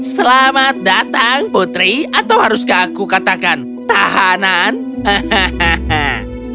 selamat datang putri atau haruskah aku katakan tahanan hehehe